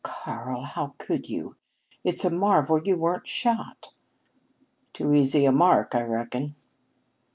"Karl! How could you? It's a marvel you weren't shot." "Too easy a mark, I reckon."